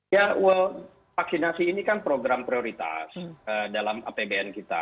ya vaksinasi ini kan program prioritas dalam apbn kita